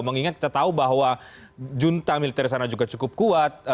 mengingat kita tahu bahwa junta militer sana juga cukup kuat